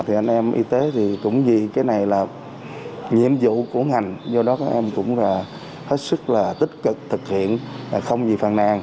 trạm y tế thì cũng vì cái này là nhiệm vụ của ngành do đó các em cũng là hết sức là tích cực thực hiện không vì phàn nàn